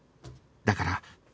だから